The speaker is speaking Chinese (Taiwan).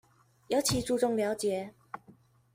尤其著重了解